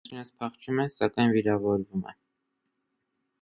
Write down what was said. Վերջինս փախչում է, սակայն վիրավորվում է։